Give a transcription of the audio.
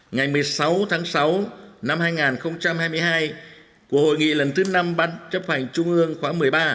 ngày một mươi sáu tháng sáu năm hai nghìn hai mươi hai của hội nghị lần thứ năm ban chấp hành trung ương khóa một mươi ba